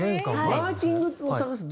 マーキングを探す。